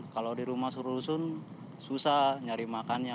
kalau di rumah suruh rusun susah nyari makannya